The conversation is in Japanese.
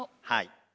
はい。